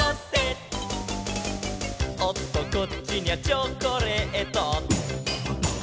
「おっとこっちにゃチョコレート」